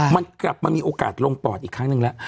มันกลับมามีโอกาสลงปอดอีกครั้งหนึ่งแล้ว